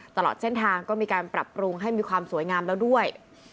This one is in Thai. ตลอดเส้นทางก็มีการปรับปรุงให้มีความสวยงามแล้วด้วย